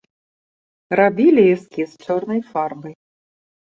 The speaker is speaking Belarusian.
Рабілі эскіз чорнай фарбай.